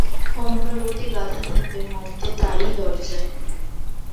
অমরাবতী বাঁধা থাকবে মর্তে তাঁরই দরজায়।